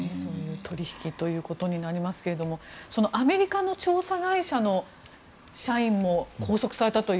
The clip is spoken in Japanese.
取引ということになりますけどアメリカの調査会社の社員も拘束されましたよね